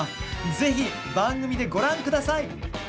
ぜひ番組でご覧ください。